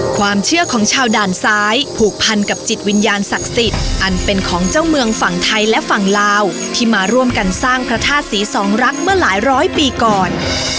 ความเชื่อของชาวด่านซ้ายผูกพันกับจิตวิญญาณศักดิ์สิทธิ์อันเป็นของเจ้าเมืองฝั่งไทยและฝั่งลาวที่มาร่วมกันสร้างพระธาตุศรีสองรักเมื่อหลายร้อยปีก่อน